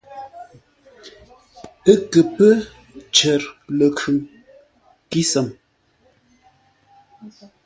Ə́ kə pə́ cər ləkhʉŋ kísəm.